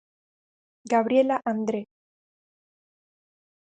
Gabriela André.